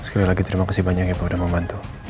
sekali lagi terima kasih banyak ya pak udah membantu